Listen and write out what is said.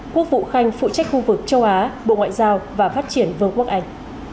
quốc vụ khanh phụ trách khu vực châu á bộ ngoại giao và phát triển vương quốc anh